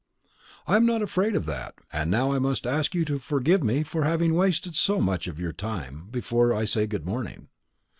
"I am not afraid of that. And now I must ask you to forgive me for having wasted so much of your time, before I say good morning."